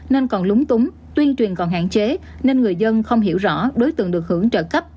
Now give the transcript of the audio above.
nên còn lúng túng tuyên truyền còn hạn chế nên người dân không hiểu rõ đối tượng được hưởng trợ cấp